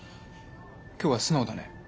今日は素直だね。